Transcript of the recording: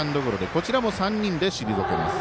こちらも３人で退けます。